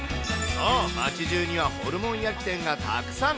そう、街じゅうにはホルモン焼き店がたくさん。